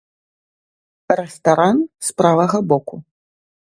Рэстаран з правага боку.